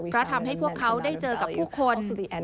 เพราะทำให้พวกเขาได้เจอกับผู้คน